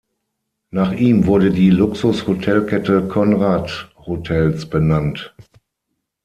Nach ihm wurde die Luxus-Hotelkette Conrad Hotels benannt.